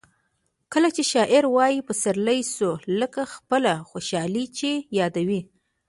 کله چي شاعر وايي پسرلی سو؛ لکه خپله خوشحالي چي یادوي.